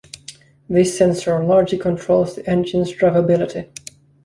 This sensor largely controls the engine's driveability.